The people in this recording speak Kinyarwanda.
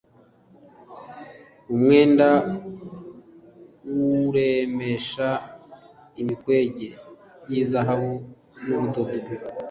umwenda uwuremeshe imikwege y'izahabu n'ubudodo